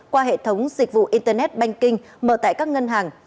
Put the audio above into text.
qua hệ thống dịch vụ internet banking mở tại các ngân hàng